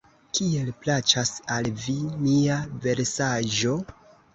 Kiel plaĉas al vi mia versaĵo?